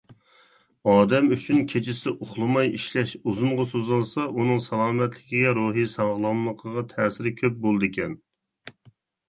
ئادەم ئۈچۈن كېچىسى ئۇخلىماي ئىشلەش ئۇزۇنغا سوزۇلسا ئۇنىڭ سالامەتلىككە، روھىي ساغلاملىققا تەسىرى كۆپ بولىدىكەن.